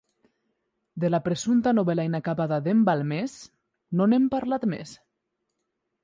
De la presumpta novel·la inacabada d'en Balmes no n'hem parlat més.